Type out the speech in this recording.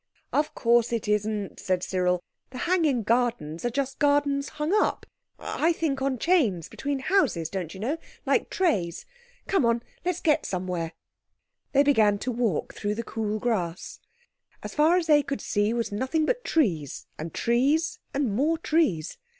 "Of course it isn't," said Cyril. "The hanging gardens are just gardens hung up—I think on chains between houses, don't you know, like trays. Come on; let's get somewhere." They began to walk through the cool grass. As far as they could see was nothing but trees, and trees and more trees.